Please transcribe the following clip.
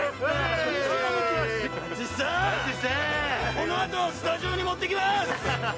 このあとスタジオに持ってきます！